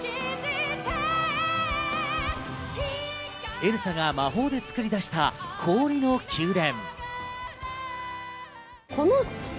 エルサが魔法で作り出した氷の宮殿。